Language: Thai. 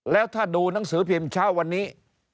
แล้วถ้าดูหนังสือพิมพ์เช้าวันนี้